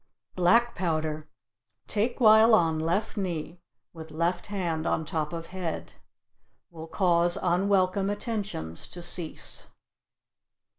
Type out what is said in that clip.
Black powder take while on left knee, with left hand on top of head. Will cause unwelcome attentions to cease.